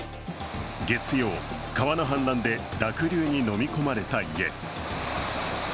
月曜、川の氾濫で濁流にのみ込まれた家。